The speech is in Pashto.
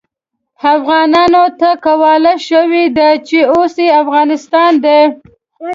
افغانانو ته قواله شوې ده چې اوس يې افغانستان دی.